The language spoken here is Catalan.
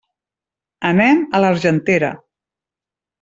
Anem a l'Argentera.